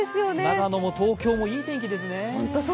長野も東京もいい天気ですよほ。